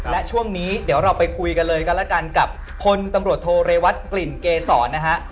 และช่วงนี้เดี๋ยวเราไปคุยกันเลยกันแล้วกันกับคนตำรวจโทเรวัตกลิ่นเกษรนะฮะ